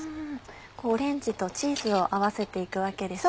オレンジとチーズを合わせて行くわけですね。